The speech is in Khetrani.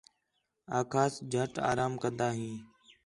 آکھاس جھٹ آرام کندا ہیں